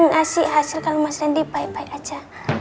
ngasih hasil kalau mas rendy baik baik aja